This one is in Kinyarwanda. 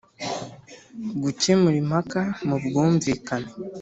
Gukemura impaka mu bwumvikane